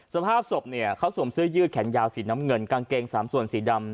สภาพศพเนี่ยเขาสวมเสื้อยืดแขนยาวสีน้ำเงินกางเกงสามส่วนสีดำ